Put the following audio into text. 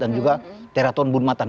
dan juga teraton bunmattan